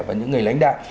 và những người lãnh đạo